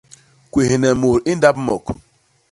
Kwéhne mut ndap mok.